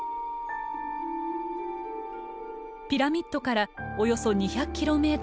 ピラミッドからおよそ２００ｋｍ。